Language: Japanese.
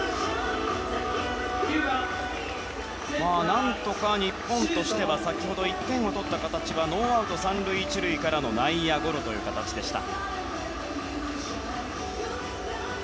何とか日本としては先ほど１点を取った形はノーアウト３塁１塁からの内野ゴロという形でした。